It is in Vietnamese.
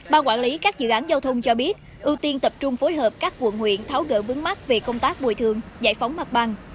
ban quản lý các dự án giao thông cho biết ưu tiên tập trung phối hợp các quận huyện tháo gỡ vướng mắt về công tác bồi thường giải phóng mặt bằng